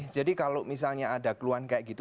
jadi kalau misalnya ada keluhan kayak gitu